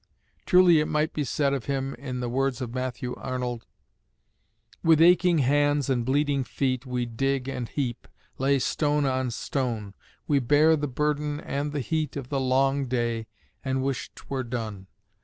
Truly it might be said of him, in the words of Matthew Arnold: With aching hands and bleeding feet We dig and heap, lay stone on stone; We bear the burden and the heat Of the long day, and wish 't were done.